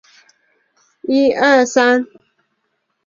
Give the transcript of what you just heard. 该书的改编电影由执导和编剧。